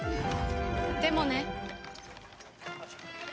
でもね。